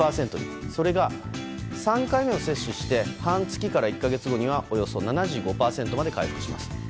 それが３回目の接種をして半月から１か月後にはおよそ７５％にまで回復します。